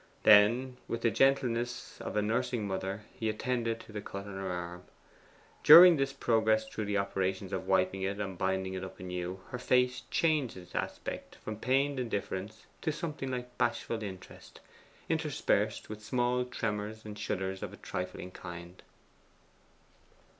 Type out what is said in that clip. Then, with the gentleness of a nursing mother, he attended to the cut on her arm. During his progress through the operations of wiping it and binding it up anew, her face changed its aspect from pained indifference to something like bashful interest, interspersed with small tremors and shudders of a trifling kind.